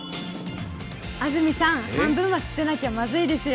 安住さん、半分は知ってなきゃまずいですよ。